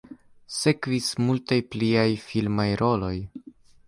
Sekvis multaj pliaj filmaj roloj.